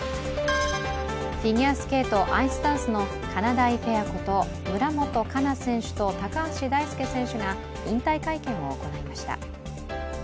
フィギュアスケート、アイスダンスのかなだいペアこと村元哉中選手と高橋大輔選手が引退会見を行いました。